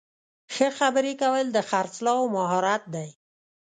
ښه خبرې کول د خرڅلاو مهارت دی.